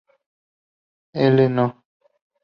L. No.